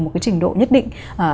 một cái trình độ nhất định